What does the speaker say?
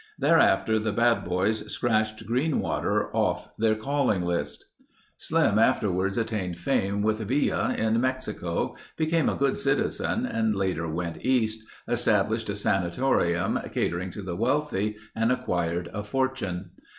Thereafter, the bad boys scratched Greenwater off their calling list. Slim afterwards attained fame with Villa in Mexico, became a good citizen and later went East, established a sanatorium catering to the wealthy and acquired a fortune.